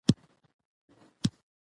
غازي ایوب خان جګړه ځارله.